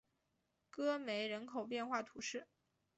戈梅人口变化图示